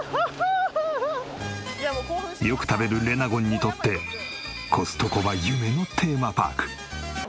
よく食べるレナゴンにとってコストコは夢のテーマパーク。